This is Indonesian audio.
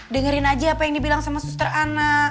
dengerin aja apa yang dibilang sama suster anak